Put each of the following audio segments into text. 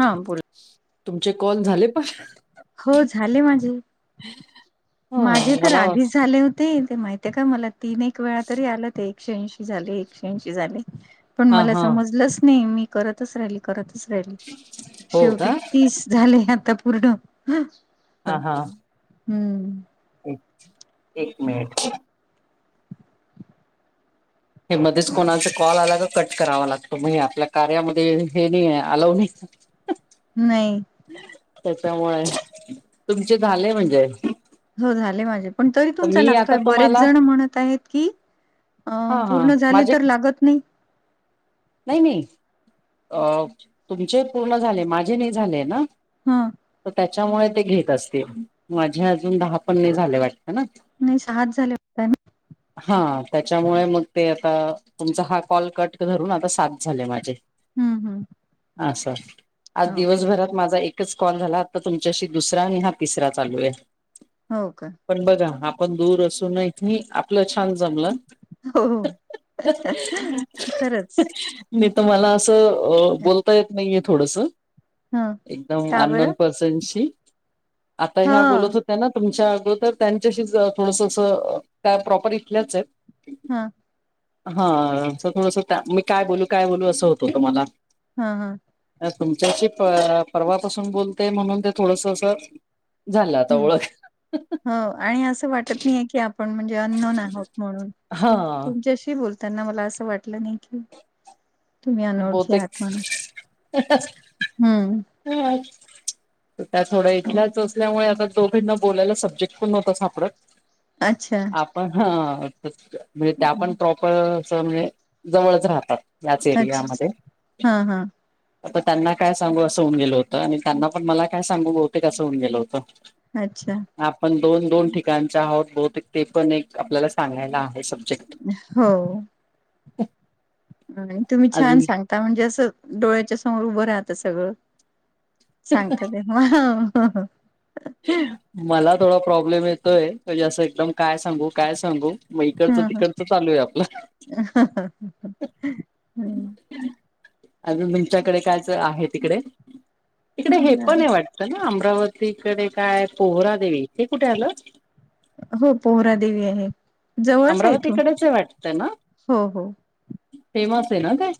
हा पुढ तुमचे कॉल झाले पण हो झाले माझे हा माझे तर मला आधीच झालेते ते ते माहितीे का मला तीन एक वेळा तरी आलं ते एकशे ऐंशी झाले एकशे ऐंशी झाले पण हा मला हा समजलंच नाही मी करतच राहिली करतच राहिली हो शेवटी का तीस झालेय आता पूर्ण हा हा हम्म एक एक मिनिट हे मध्येच कोणाचा कॉल आला का कट करावा लागतो म्हग आपल्या कार्यामध्ये हे नाही आहे आलाव नाही नाही त्याच्यामुळे तुमचे झाले म्हणजे हो झाले माझे पण तरी तर तुमचा मी आता लागतोय बरेच तुम्हाला जण म्हणत आहेत की अ हा हा पूर्ण झाले माझे तर लागत नाही नाही नाही अ तुमचे पूर्ण झाले माझे नाही झाले ना हम तर त्याच्यामुळे ते घेत असतील माझे अजून दहा पन्ने झाले वाटत ना नाही सात झाले वाटत ना हा त्याच्यामुळे मग ते आता तुमचा हा कॉल कट धरून साथ झाले माझे हम्म हम अस स आज दिवसभरात माझा एकच कॉल झाला तर तुमच्याशी दुसरा आणि हा तिसरा चालू आहे हो का पण बघा आपण दूर असून नात नाही आपलं छान जमलं हो खरंच नाही तर मला असं बोलता येत नाहीये थोडस ह एकदम का बरं अननोन पर्सनशी आता ह्या बोलत हां, होत त्यां तुमच्या अगोदर त्यांच्याशी थोडस अस काय प्रॉपर इथल्याच आहे हा हा थ मी काय बोलू काय बोलू असं होत होत मला हा हा तुमच्याशी पर्वापासून बोलते म्हणून ते थोडस असं झालं आता ह् ओळख हो आणि असं वाटत नाहीय की आपण म्हणजे ननन म्हण हा तुमच्याशी बोल त्यांना मला असं वाटलं नाही की तुम्ही अनोळखी बहुतेक आहात म्हणून हम्म हा त्या थोड्या इथल्याच असल्यामुळे आता दोघेंना बोलायला सब्जेक्ट पण नव्हता सापडत अच्छा ण म्हणजे त्या आपण प्रॉपर अस म्हणजे जवळच राहतात याच अच्छ एरियामध्ये हां, हां. त्यांना काय सांगू असं होऊन गेलं होतं आणि त्यांना पण मला काय सांगू बहुतेक असं होन गेलं होतं अच्छा आपण दोन दोन ठिकाणचे आहोत बहुतेक ते पण एक आपल्याला सांगायला आहे सब्जेक्ट हो. ह. आणि तुम्ही छान सांगता म्हणजे असं डोळ्याच्या समोर उभं राहत सगळं. सांगत ते मला थोडा प्रॉब्लेम येतोय म्हणजे असं एकदम काय सांगू काय सांगू. म इकडचं हां, हां. तिकडचं चालू आहे आपलं. हं, अ तुमच्याकडे कायच आहे तिकडे तिकडे हे पण आहे वाटत. ना अमरावतीकडे काय पोहरादेवी ते कुठे आलं. हो पोहरा देेवी आहे जवळच आहे इथून अमरावतीकडेच आहे वाटतं ना हो हो. फेमस आहे ना ते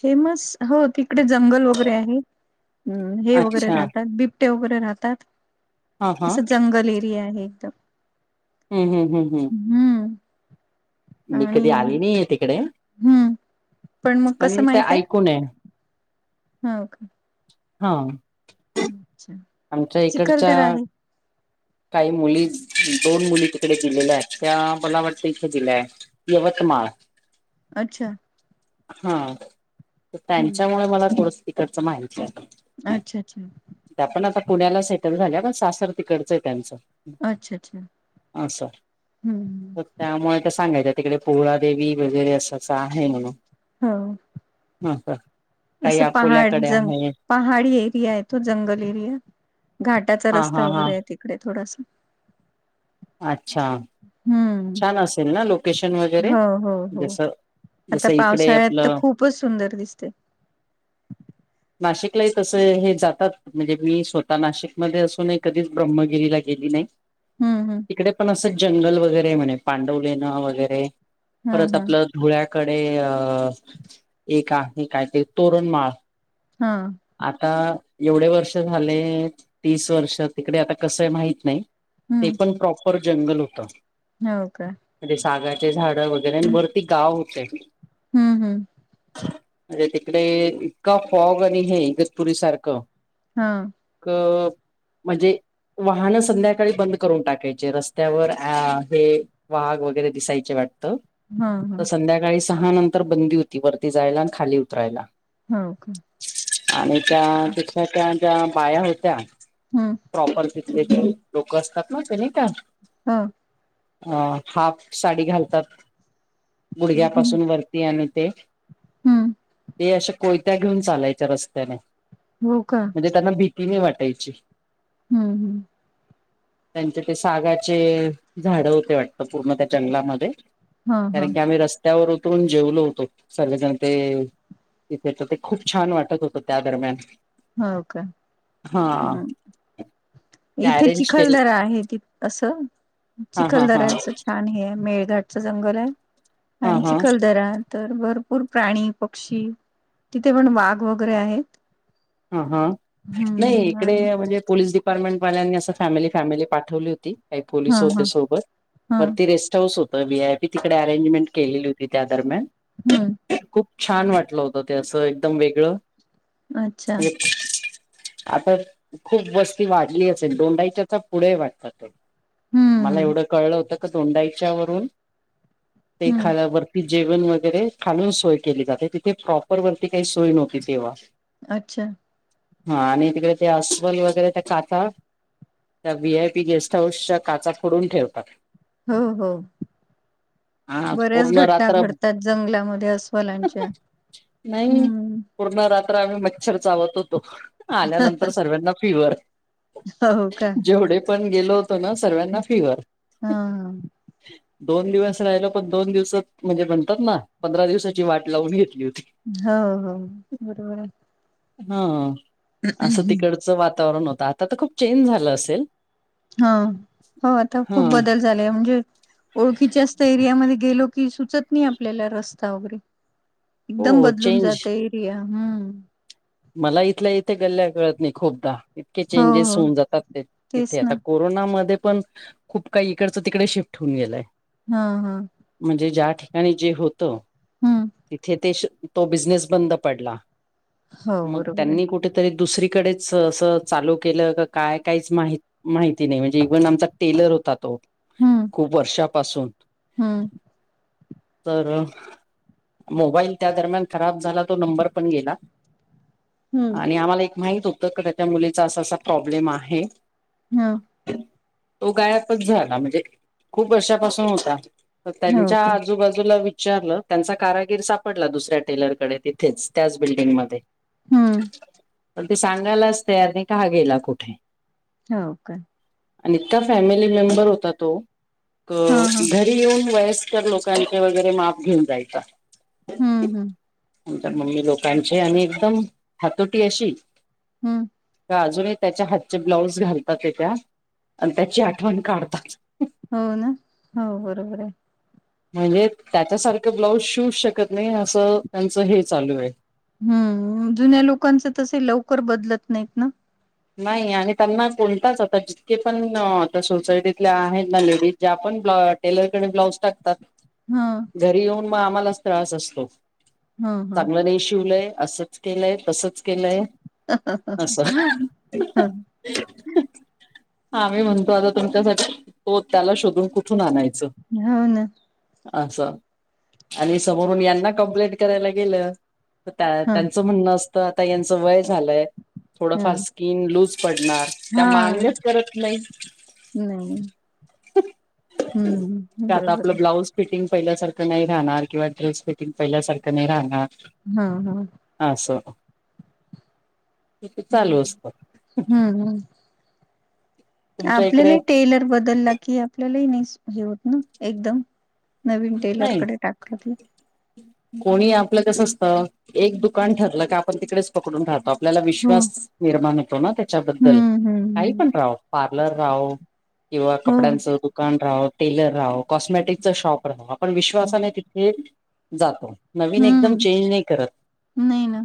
फेमस हो तिकडे जंगल वगैरे आहे. हम हे वगैरे अच्छा राहतात बिबटे वगैरे राहतात. हा हा असं जंगल एरिया आहे एकदम हम् हम हम् हम. हम्म. मी आणि कधी आली नाही आहे तिकडे हम्म मग कसं पण ते ऐकूनय. हा का? हा. अच्छा. आमच्या चिखल इकडच्या तर आहे काही मुली दोन मुली तिकडे दिलेल्या आहेत त्या मला वाटत इथे दिल्या आहेत. यवतमाळ. अच्छा. हा हम्म त्यांच्यामुळे मला थोडस तिकडचं माहिती आहे. अच्छा अच्छा. त्या पण आता पुण्याला सेटल झाल्या पण सासर तिकडचं आहे त्यांचं. अच्छा अच्छा असो हम्म तर त्यामुळे ते सांगायच. तिकडे पोळादेवी वगैरे असं असं आहे म्हण. हो. ह ह काही असं पहाड अकोल्याकडे जंग आहे. पहाडी एरिया आहे तो जंगल एरिया घाटाचा हा हा रस्ता हा वगैरे आहे तिकडे थोडासा अच्छा हम्म छान असेल ना लोकेशन वगैरे हो हो हो जस. आता पावसाळ्यात तर खूपच सुंदर दिसते. नाशिकलाही तस हे जातात म्हणजे मी स्वतः नाशिकमध्ये असून कधीच ब्रम्मगिरीला गेली नाही. हम्म हम्. तिकडे पण असं जंगल वगैरे म्ह पांडवले नां वगैरे परत हम्म हम्म आपलं. धुळ्याकडे अ एक आहे काय ते तोरणमाळ हा. आता एवढे वर्ष झाले तीस वर्ष तिकडे आता कसं माहत नाही. ते हम्म पण प्रॉपर जंगल होतं. हो का? म्हणजे सागाचे झाड वगैरे आणि वरती गाव होते. हम्म हम्म. म्हजे तिकडे इतका फॉग आणि हे इगतपुरी सारखं. हा. अ म्हणजे वाहनं संध्याकाळी बंद करून टाकायचे रस्त्यावर अ हे. वाघ वगैरे दिसायचे वाटतं. हा तर संध्याकाळी सहा नंतर बंदी होती वरती जायला आणि खाली उतरायला. हो का. आणि त्या आ, तिथल्या त्याज्या बाया होत्या. हम्म. प्रॉपर तिथले [unintelligible] लोक असतात ना, ते नई का. ह. अ हाफ साडी घालतात हम्म बुडघ्यापासून वर तेआणि ते हम्म ते अशे कोयत्या घेऊन चालायच्या रस्त्याने. हो का. म्हणजे त्यांना भीती नाही वाटायची. हम्म हम्म. [inaudible] त्यांचे ते सागाचे झाड होते वाटत पूर्ण त्या जंगलामध्ये. हा कारण की आम्ही रस त्यावर उतरून जेवलो होतो सर्वेजण ते इथे तर ते खूप छान वाटत होत. त त्या दरम्यान. हो का. हा. हम्म ते इथे अरेंज केलं चिखलदरा आहे तित असं हा हा हा चिखलदऱ्यांच आणि हे मेळघाटच जंगल आहे हा आणि हा चिखलदरा. तर भरपूर प्राणी पक्षी तिथे पण वाघ वगैरे आहेत. ह हा नाही हम्म इकडे आणि म्हणजे पोलीस डिपार्टमेंटल्यांनी असं फॅमिली फॅमिली पाठवली होती. काही हा पोलीस होते हा सोबत हा वरती रेस्ट हाऊस होत. त व्हीआय तिकडे अरेंजमेंट केलेली होती त्या दरम्यान. हम्म खूप छान वाटलं होत ते असं एकदम वेगळं अच्छा एक आता खूप वस्ती वाढली असेल दोंडाईच्याचा पुढे वाटत ते हम्म मला हम्म एवढं कळलं होतं क तोंडाईच्या वरुन ते हम्म एखादावर पील जेवण वगैरे खालून सोय केली जाते तिथे प्रॉपर वरती काही सोय नव्हती तेव्हा. अच्छा. हा आणि तिकडे ते अस्वल वगैरे त्या काचा त्या व्ही आय पी गेस्ट हाऊसच्या काचा फोडून ठेवतात. हो हो. हा बऱ्याच पूर्ण घटना रात्र घडतात जंगलामध्ये अस्वलांच्या. नाही. हम्म पूर्ण रात्र आम्ही मच्छर चावत होतो आल्यानंतर सर्व्यांना फिवर. हो का. जेवढे पण गेलो होतो ना, सर्व्यांना फिवर. हा दोन दिवस राहिलो पण दोन दिवसात म्हणजे म्हणतात ना, पंधरा दिवसाची वाट लावून घेतली होती. हो हो बरोबर आहे. हा असं आहे तिकडचं वातावरण होत आता त खूप चेंज झालं असेल. हो हो आता हा खूप बदल झालेय म्हणजे ओळखीच्या असता एरियामध्ये गेलो की सुचत नाही आपल्याला रस्ता वगैरे, एकदम हो बदलून चेंज जाते एरिया हम्म. मला इथल्या इथे गल्ल्या कळत नाही खूपदा इतके हो चेंजेस हो होऊन जातात ते तिथे तेच आता ना कोरोनामध्ये पण खूप काही इकडचं तिकडे शिफ्ट होऊन गेलंय. हा हा. म्हणजे ज्या ठिकाणी जे होत हम्म तिथे ते श तो बिझनेस बंद पडला. हो मग बरोबर आहे त्यांनी कुठेतरी दुसरीकडेच असं चालू केलं का काय काहीच माहित माहिती नाही म्हणजे इवन आमचा टेलर होता तो हम्म खूप वर्षापासून. हम्म. तरार मोबाईल त्या दरम्यान खराब झाला तो नंबर पण गेला हम्म आणि आम्हाला एक माहित होतं क त्याच्या मुलीचा असा असा प्रॉब्लेम आहे हा तो गायबच झाला म्हणजे खूप वर्षापासून होता हो त्यांच्या का आजूबाजूला विचारलं त्यांचा कारागीर सापडला दुसऱ्या टेलरकडे तिथेच त्याच बिल्डिंगमध्येध्ये हम्म पण ते सांगायलाच तयार नाही काहा गेला कुठे हो का आणित फॅमिली मेंबर होता तो हा हा घ येऊन वयस्कर लोकांचे वगैरे माप घेऊन जायचा [unintelligible] [unintelligible] हम्म हम्म [unintelligible] आमच्या मम्मी लोकांचे आणि एकदम हातोटी अशी हम्म [unintelligible] अजून त्याच्या हातचे ब्लाऊज घालतात य त्या्या आणि त्याची आठवण काढतात हो ना हो बरोबर आहे म्हणजे त्याच्यासारखं ब्लाऊज शिव शकत नाही असं त्यांचं हे चालू आहे हम्म जुन्या लोकांचं तसे लवकर बदलत नाहीत ना नाही आणि त्यांना बोलताच आता जितके पण आता सोसायटीतल्या आहेत ना लेडीज ज्या पण ब्ल टेलरकडे ब्लाऊज टाकतात हा घरी येऊन मग आम्हालाच त्रास असतो हं, हं. चांगलं नाही शिवलय असं केलंय तसंच केलंय ह ह [unintelligible] हाम मही म्हणतो आता तुमच्यासाठी तो त्याला शोधून कुठून आणायचा हो ना असं आणि समोरून यांना कम्प्लेंट करायला गेलं तर त्या हं, त्यांचं म्हणणं असतं आता यांचं वय झालंय थोडंफार हं. स्किन लूज पडणार त्या हां, मान्यच करत नाही नाही. हम्म का आता बरोबर आपलं आहे ब्लाऊज फिटिंग पहिल्यासारखं नाही राहणार किंवा ड्रेस फिटिंग पहिल्यासारखं नाही राहणार हा हा असं चालू असत हम्म हम् तुमच्या आपल्याला इकडे टेलर बदलला कि आपल्यालाही नाही हे होत ना एकदम नवीन टेलर नाही कडे टाकलं क कोणी आपलं कसं असतं एक दुकान ठरलं का आपण तिकडेच पकडून राहतो आपल्याला हो. विश्वास निर्माण होेतो ना त्याच्याबद्दल हं, हं, काही पण हं. राह पार्लर राह किंवा हो. कपड्यांचं दुकान राहो टेलर राहो कॉस्मॅटिकच शॉप राहू आपण विश्वासानेि हे जातो नवीन एकदम हं. चेंज नाही करत नाही ना,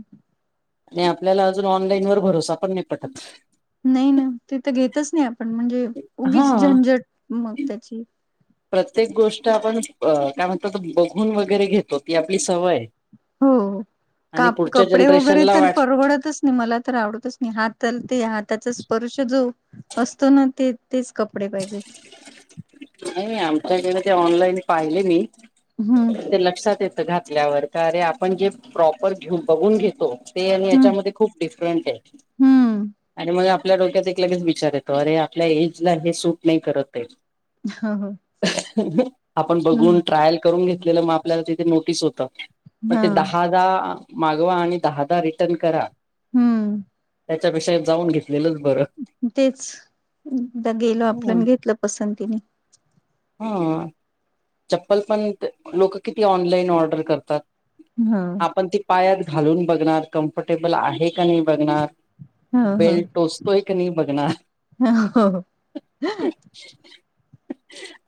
आणि आपल्याला अजून ऑनलाईन वर भरोसा पण नाही पटत. नाही ना ते तर घेतच नाही आपण म्हणजे हा उगीच झंझट मग त्याची प्रत्येक गोष्ट आपण अ काय म्हणतात बघून वगैरे घेतो ती आपली सवय आहे. हो का आणि पुढच्या कपडे वगैरे जनरेशनला तर वाटत परवडतच मला तर आवडतच नाही हातलते हाताचा स्पर्श जो असतो ना ते तेच कपडे पाहिजेत नाही आमच्याकडे ते ऑनलाईन पाहिले मी हम्म ते लक्षात येत घातल्यावर काे आपण जे प्रॉपर घे बघून घेतो ते आणि हम्म. याच्यामध्ये खूप डिफरंट आहे हम्म आणि मग आपल्या डोक्यात एक लगेच विचार येतो अरे आपल्या एज ला हे सूट नाही करत आहे. हो हो. आपण बघून हम्म. ट्रायल करून घेतलेल म आपल्याला तिथं नोटीस होत म हा. ते दहा दा मागवा आणि दहा दा रिटर्न करा. हम्म. त्याच्यापेक्षा जाऊन घेतलेलंच बरं. तेच एकदा गेलो आपलन हम्म घेतलं पसंतीने. हम्म. चप्पल पण ते लोक किती ऑनलाईन ऑर्डर करतात. हा. आपण ती पायात घालून बघणार कम्फर्टेबल आहे का नाही बघणार ह ह. बेल्ट टोचतोय की नाही बघणार. [unintelligible] हो हो.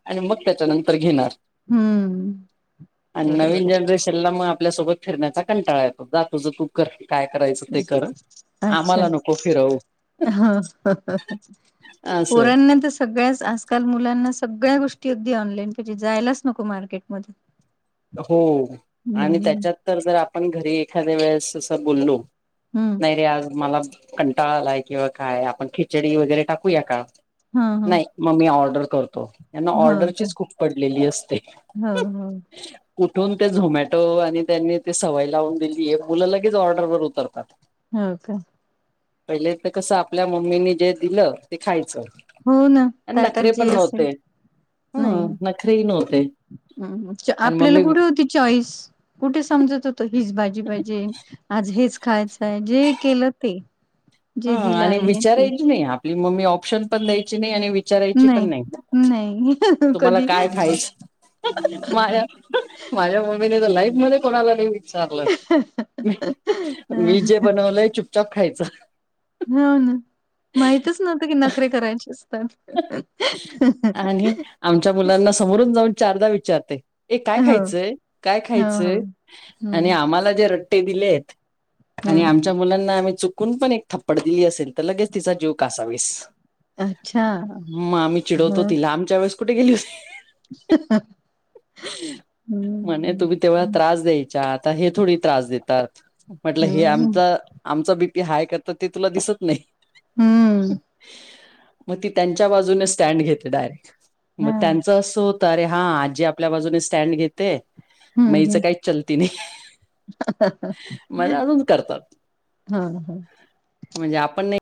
आणि मग त्याच्या नंतर घेणार. हम्म. आणि बरोबर नवीन जनरेश ला मग आपल्यासोबत फिरण्याचा कंटाळा येतो जा तूझ तू कर काय करायचं आहे. ते कर. अच्छा आम्हाला नको फिरवू ह [unintelligible] असंय पोरांना तस सगळ्याच आजकाल मुलांना सगळ्या गोष्टी अगदी ऑनलाईन पाहिजे जायलाच नको मार्केटमध्ये. हो आणि हम्म. त्याच्यात तर जर आपण घरी एखाद्या वेळेस असं बोललो हम्म. नाही रे आज मला कंटाळा आलाय किंवा काय आपण खिचडी वगैरे टाकूया का? हां, हां. नाही म मी ऑर्डर करतो यांना ऑर्डरचीच खूप पडलेली असते. ह ह. कुठून ते झोमॅटो आणि त्यांनी ते सवय लावून दिलीय मुलं लगेच ऑर्डरवर उतरतात. हो का. पहिले एकत कसं आपल्या मम्मीनी जे दिलं ते खायचं. हो ना. आणि ताटात नखरे पण जे असेल. नव्हते हम्म नखरेही नव्हते. हम्म हम्म आपल्याला कुठे होती चॉईस कुठे समजत होत त हीच भाजी पाहिजे आज हेच खायचंय जे केलं ते. ह जे दिलं आणि आईने ते. विचारायची नाही आपली मम्मी ऑप्शन पण द्यायची नाही आणि वि विचारायची पण नाही नाही. तुम्हाला कधी काय खायचं माझ्या माझ्या मम्मीने तर लाईफ मध्ये कोणाला नाही विचारल अ, मी जे बनवलंय चुपचाप खायचं. हो ना माहितच नव्हतं की नखरे करायचे असतात. आणि आमच्या मुलांना समोरून जाऊन चारदा विचारते. ए काय हो. खायचंय काय हो, हो. खायचंय आणि हं, आम्हाला जे रट्टे दिलेत आणि हं. आमच्या मुलांना आम्ही चुकून पण एक थप्पड दिली असेल तर लगेच तिचा जीव कासावीस अच्छा. म आम्ही चिडवतो हो तिला आमच्या वेळेस कुठे गेली होती. [unintelligible] म्हणे हम्म तुम्ही तेव्हा हम्म त्रास द्यायच्या आता हे थोडी त्रास देतात. म्हटलं हे हम्म आमचा आमचा बी पी हाय करता ते तुला दिसत नाही हम्म. मग ती त्यांच्या बाजून स्टँड घेते डायरेक म हम्म त्यांच अस होत अरे हा आजी आपल्या बाजूने स्टँड घेते म ईच हम्म काहीच चलती नी. मजा अजून करतात. हा हा. म्हणजे आपण नाही